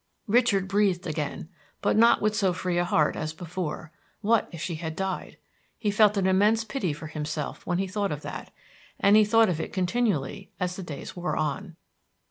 Richard breathed again, but not with so free a heart as before. What if she had died? He felt an immense pity for himself when he thought of that, and he thought of it continually as the days wore on.